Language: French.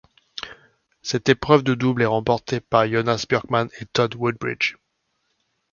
Cette épreuve de double est remportée par Jonas Björkman et Todd Woodbridge.